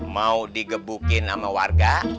mau digebukin sama warga